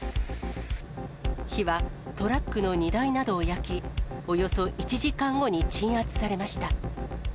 火はトラックの荷台などを焼き、およそ１時間後に鎮圧されました。